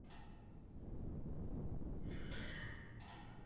Roedd hefyd yn cefnogi'r mudiad i wahardd 'anghyffyrddadwyedd y gwrthodedig'.